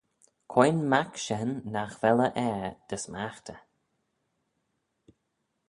Quoi'n mac shen nagh vel e ayr dy smaghtaghey?